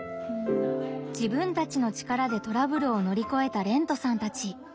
自分たちの力でトラブルをのりこえたれんとさんたち。